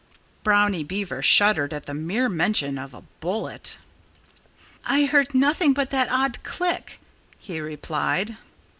Brownie Beaver shuddered at the mere mention of a bullet. "I heard nothing but that odd click," he replied.